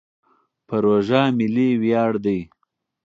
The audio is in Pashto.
پروژه ملي ویاړ دی.